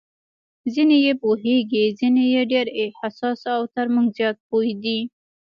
ځینې یې پوهېږي، ځینې یې ډېر حساس او تر موږ زیات پوه دي.